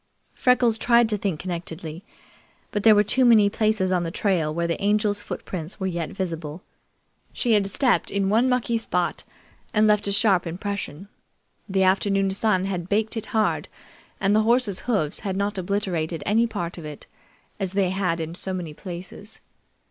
Freckles tried to think connectedly, but there were too many places on the trail where the Angel's footprints were vet visible. She had stepped in one mucky spot and left a sharp impression. The afternoon sun had baked it hard, and the horses' hoofs had not obliterated any part of it, as they had in so many places.